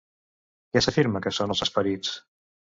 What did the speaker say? Què s'afirma que són, els esperits?